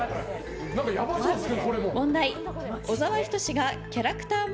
何か、やばそうですね。